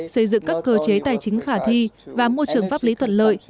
xây dựng các cơ chế tài chính khả thi và môi trường pháp lý thuận lợi